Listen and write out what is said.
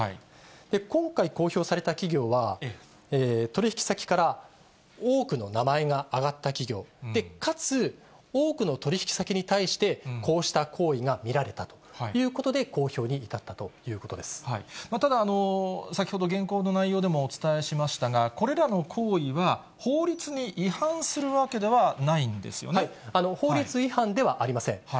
今回、公表された企業は、取り引き先から多くの名前が挙がった企業、かつ多くの取り引き先に対して、こうした行為が見られたということで、ただ、先ほど、げんこうの内容でもお伝えしましたが、これらの行為は、法律に違法律違反ではありません。